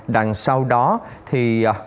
đằng sau đó thì